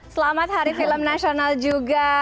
selamat hari film nasional juga